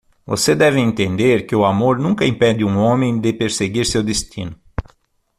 Você deve entender que o amor nunca impede um homem de perseguir seu destino.